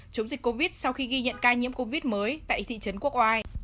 chống dịch covid sau khi ghi nhận ca nhiễm covid mới tại thị trấn quốc oai